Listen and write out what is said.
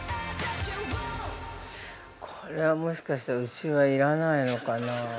◆これは、もしかしたらうちは要らないのかなあ。